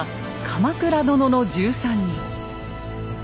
「鎌倉殿の１３人」。